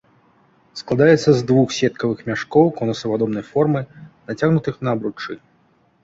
Складаецца з двух сеткавых мяшкоў конусападобнай формы, нацягнутых на абручы.